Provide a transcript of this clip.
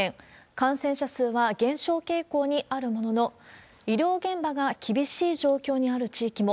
感染者数は減少傾向にあるものの、医療現場が厳しい状況にある地域も。